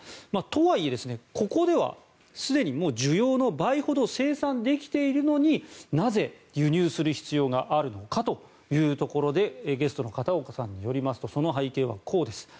とはいえ、ここではすでにもう需要の倍ほど生産できているのになぜ輸入する必要があるのかというところでゲストの片岡さんによりますとその背景はこうです。